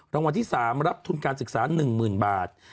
รางวัลที่๓รับทุนการศึกษา๑๐๐๐บาท